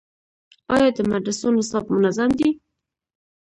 آیا د مدرسو نصاب منظم دی؟